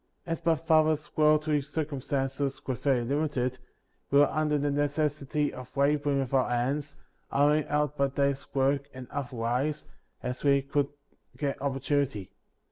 55. As my father's worldly circumstances were very limited, we were under the necessity of laboring with our hands, hiring out by da/s work and other wise, as 'we could get opportunity.